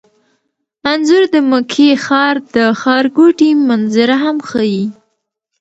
انځور د مکې ښار د ښارګوټي منظره هم ښيي.